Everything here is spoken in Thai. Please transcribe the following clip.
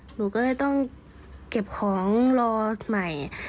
หนูก็เลยต้องเก็บของรอใหม่